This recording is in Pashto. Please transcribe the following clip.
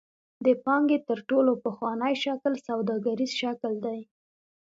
د پانګې تر ټولو پخوانی شکل سوداګریز شکل دی.